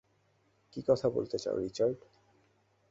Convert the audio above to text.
কী কথা বলতে চাও, রিচার্ড?